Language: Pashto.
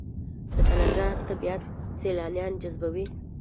د کاناډا طبیعت سیلانیان جذبوي.